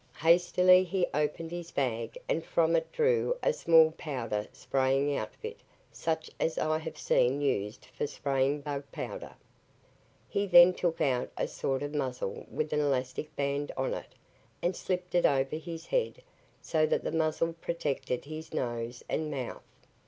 Hastily he opened his bag and from it drew a small powder spraying outfit such as I have seen used for spraying bug powder. He then took out a sort of muzzle with an elastic band on it and slipped it over his head so that the muzzle protected his nose and mouth.